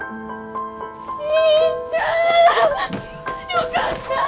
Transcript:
よかった。